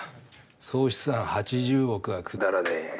総資産８０億はくだらねぇ。